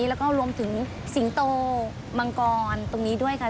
แล้วก็รวมถึงสิงโตมังกรตรงนี้ด้วยค่ะ